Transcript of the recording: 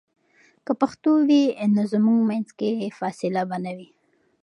که پښتو وي، نو زموږ منځ کې فاصله به نه وي.